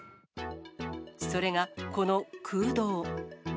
それがこの空洞。